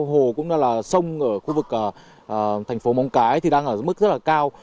hồ cũng là sông ở khu vực thành phố mông cái thì đang ở mức rất là cao